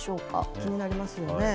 気になりますよね。